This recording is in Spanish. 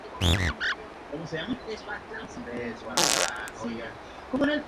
Juan se casó tres veces.